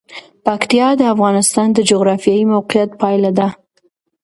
پکتیا د افغانستان د جغرافیایي موقیعت پایله ده.